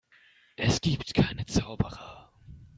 Es gibt keine Zauberer.